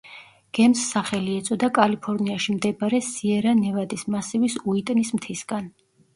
გემს სახელი ეწოდა კალიფორნიაში მდებარე სიერა-ნევადის მასივის უიტნის მთისგან.